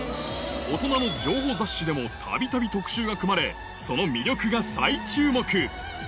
大人の情報雑誌でもたびたび特集が組まれ、その魅力が再注目。